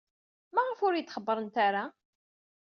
Maɣef ur iyi-d-xebbrent ara?